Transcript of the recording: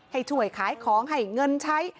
ให้ช่วยขายของให้เงินใช้